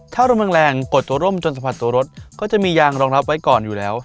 ถ้าลมแรงกดตัวร่มจนสะพัดตัวรถก็จะมียางรองรับไว้ก่อนอยู่แล้ว